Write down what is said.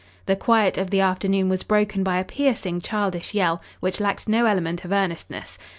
The quiet of the afternoon was broken by a piercing childish yell which lacked no element of earnestness.